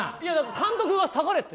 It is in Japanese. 監督が下がれって。